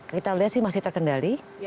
kita lihat sih masih terkendali